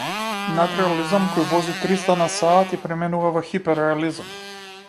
Надреализам кој вози триста на сат и преминува во хипер-реализам!